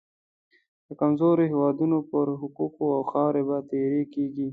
د کمزورو هېوادونو پر حقوقو او خاورې به تیری کېږي.